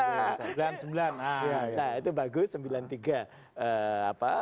nah sembilan sembilan nah itu bagus sembilan tiga